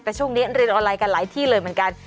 แต่ช่วงนี้เรียนออนไลน์กันหลายที่เลยเหมือนกัน